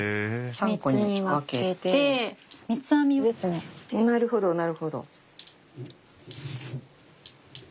３つに分けてなるほどなるほど。